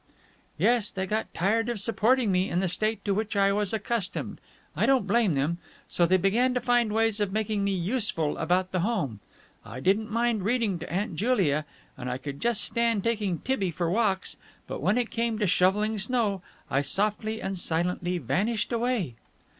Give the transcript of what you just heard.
"Yes, they got tired of supporting me in the state to which I was accustomed I don't blame them! so they began to find ways of making me useful about the home. I didn't mind reading to Aunt Julia, and I could just stand taking Tibby for walks. But, when it came to shoveling snow, I softly and silently vanished away."